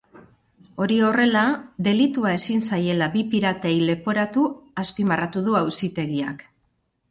Hori horrela, delitua ezin zaiela bi piratei leporatu azpimarratu du auzitegiak.